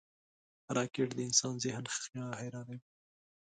راکټ د انسان ذهن حیرانوي